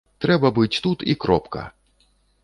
Трэба быць тут і кропка.